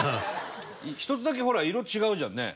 １つだけほら色違うじゃんね。